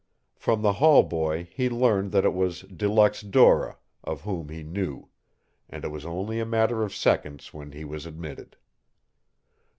From the hall boy he learned that it was De Luxe Dora, of whom he knew, and it was only a matter of seconds when he was admitted.